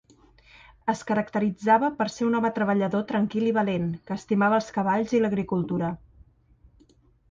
Es caracteritzava per ser un home treballador tranquil i valent, que estimava els cavalls i l'agricultura.